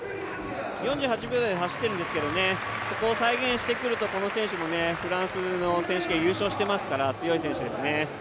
４８秒台で走っているんですけど、それを再現してくるとこの選手もフランスの選手権優勝していますから強い選手ですね。